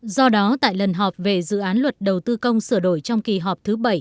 do đó tại lần họp về dự án luật đầu tư công sửa đổi trong kỳ họp thứ bảy